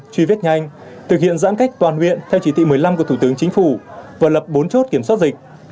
truy vết nhanh thực hiện giãn cách toàn huyện theo chỉ thị một mươi năm của thủ tướng chính phủ và lập bốn chốt kiểm soát dịch